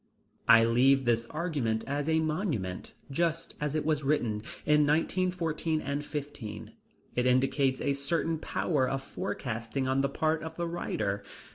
I leave this argument as a monument, just as it was written, in 1914 and '15. It indicates a certain power of forecasting on the part of the writer.